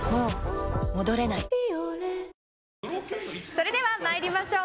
それでは参りましょう。